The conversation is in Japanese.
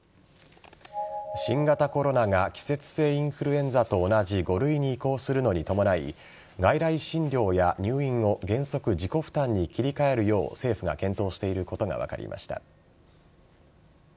新型コロナが季節性インフルエンザと同じ５類に移行するのに伴い外来診療や入院を原則自己負担に切り替えるよう政府が検討していることが分かりました。